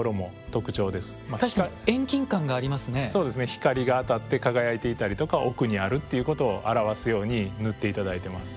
光が当たって輝いていたりとか奥にあるっていうことを表すように塗って頂いてます。